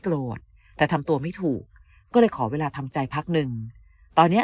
โกรธแต่ทำตัวไม่ถูกก็เลยขอเวลาทำใจพักหนึ่งตอนเนี้ย